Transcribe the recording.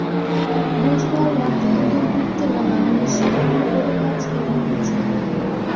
বুধবার রাতে দুর্বৃত্তরা বাগানের সবগুলো পেঁপেগাছ কেটে ফেলেছে।